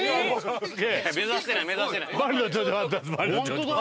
本当だ！